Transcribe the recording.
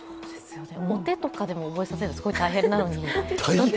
お手とかでも覚えさせるのはすごい大変なのに。